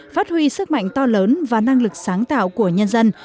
phát huy sức mạnh to lớn và năng lực sáng tạo của nhân dân